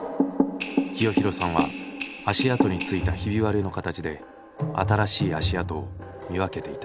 清弘さんは足跡についたひび割れの形で新しい足跡を見分けていた。